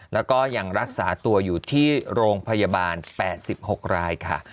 แล้วก็ยังรักษาตัวอยู่ที่โรงพยาบาล๘๖รายค่ะ